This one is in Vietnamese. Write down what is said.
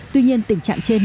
tuy nhiên tình trạng trên